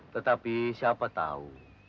tetapi siapa tahu